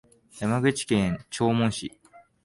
山口県長門市